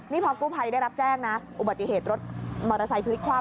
นี่พอกู้ภัยได้รับแจ้งนะอุบัติเหตุรถมอเตอร์ไซค์พลิกคว่ำ